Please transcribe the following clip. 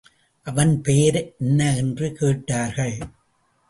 அவன் பெயர் என்ன என்று கேட்டார்கள்.